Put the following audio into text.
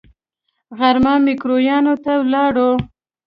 غرمه ميکرويانو ته ولاړو.